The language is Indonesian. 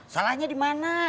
salahnya di mana